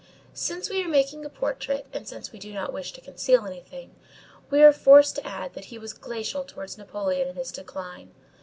Since we are making a portrait, and since we do not wish to conceal anything, we are forced to add that he was glacial towards Napoleon in his decline.